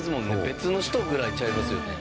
別の人ぐらいちゃいますよね。